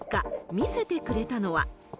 見せてくれたのは。